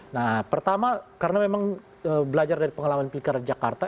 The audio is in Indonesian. nah pertama karena memang belajar dari pengalaman pilkada jakarta